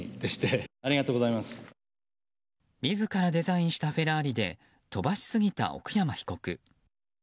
自らデザインしたフェラーリで飛ばしすぎた奥山被告。